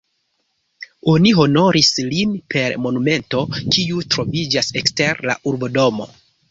Oni honoris lin per monumento, kiu troviĝas ekster la urbodomo.